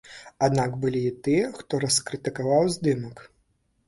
Аднак былі і тыя, хто раскрытыкаваў здымак.